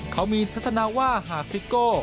เขามีทัศนาว่าหากซิโก้